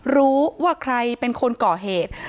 รู้ว่าใครเป็นคนก่อเหตุ